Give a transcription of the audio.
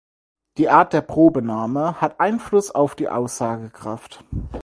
Die Art der Probenahme hat Einfluss auf die Aussagekraft.